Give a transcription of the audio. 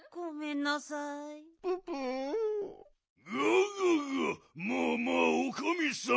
ガガガまあまあおかみさん。